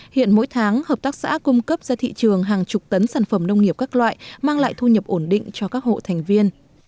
hiện mỗi tháng hợp tác xã cung cấp ra thị trường hàng chục tấn sản phẩm nông nghiệp các loại mang lại thu nhập ổn định cho các hộ thành viên